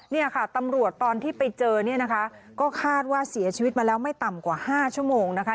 เนี่ยค่ะตำรวจตอนที่ไปเจอเนี่ยนะคะก็คาดว่าเสียชีวิตมาแล้วไม่ต่ำกว่า๕ชั่วโมงนะคะ